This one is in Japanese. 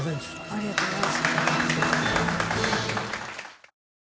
ありがとうございます。